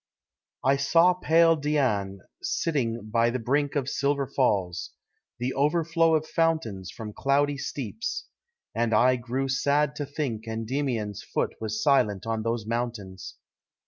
I saw pale Dian, sitting by the brink Of silver falls, the overflow of fountains From cloudy steeps; and I grew sad to think Endymion's foot was silent on those mountains.